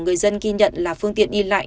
người dân ghi nhận là phương tiện đi lại